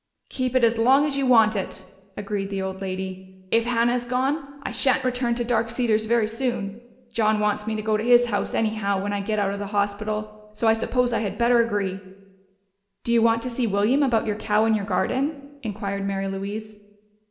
"Keep it as long as you want it," agreed the old lady. "If Hannah is gone, I shan't return to Dark Cedars very soon. John wants me to go to his home, anyhow, when I get out of the hospital, so I suppose I had better agree." "Do you want to see William about your cow and your garden?" inquired Mary Louise.